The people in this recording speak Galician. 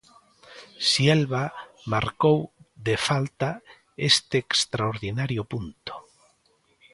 Sielva marcou de falta este extraordinario punto.